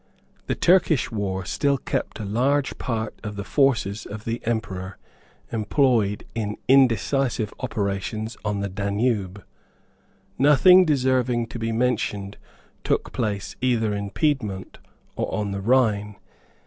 The Turkish war still kept a large part of the forces of the Emperor employed in indecisive operations on the Danube. Nothing deserving to be mentioned took place either in Piedmont or on the Rhine.